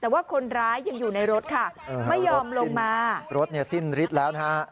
แต่ว่าคนร้ายยังอยู่ในรถค่ะไม่ยอมลงมารถเนี่ยสิ้นฤทธิ์แล้วนะฮะ